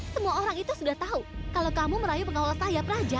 semua orang itu sudah tahu kalau kamu merayu pengawal saya praja